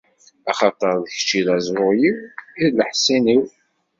Axaṭer d kečč i d aẓru-iw, i d leḥṣin-iw.